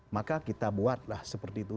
maka kita buatlah seperti itu